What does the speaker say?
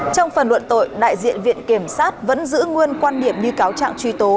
trong phần luận tội đại diện viện kiểm sát vẫn giữ nguyên quan điểm như cáo trạng truy tố